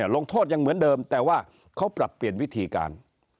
ลงโทษยังเหมือนเดิมแต่ว่าเขาปรับเปลี่ยนวิธีการ